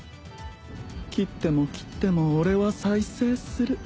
斬っても斬っても俺は再生する